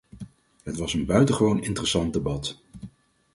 Het was een buitengewoon interessant debat.